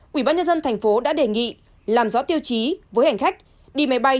quỹ ban nhân dân thành phố đã đề nghị làm rõ tiêu chí với hành khách đi máy bay